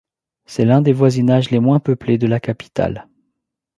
C'est l'un des voisinages les moins peuplés de la capitale.